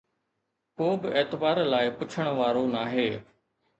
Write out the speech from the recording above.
ڪو به اعتبار لاءِ پڇڻ وارو ناهي.